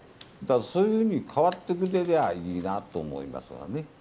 そういうふうに変わってくれりゃいいなと思いますわね。